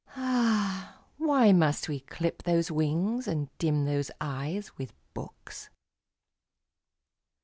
Ah! why must we clip those wings and dim those eyes with books?